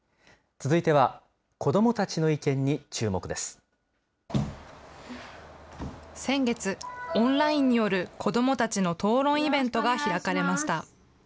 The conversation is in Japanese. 続いては、先月、オンラインによる子どもたちの討論イベントが開かれました。